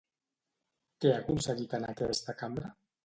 Què ha aconseguit en aquesta cambra?